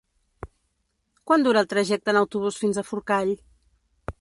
Quant dura el trajecte en autobús fins a Forcall?